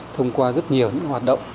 thông qua rất nhiều hoạt động